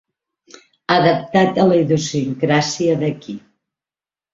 Adaptat a la idiosincràsia d'aquí.